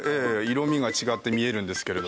色味が違って見えるんですけれど。